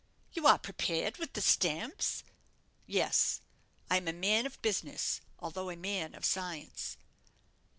"You are prepared with the stamps?" "Yes; I am a man of business, although a man of science."